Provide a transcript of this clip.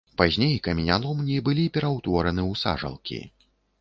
Пазней каменяломні былі пераўтвораны ў сажалкі.